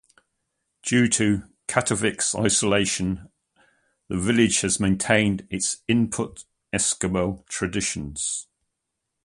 Due to Kaktovik's isolation, the village has maintained its Inupiat Eskimo traditions.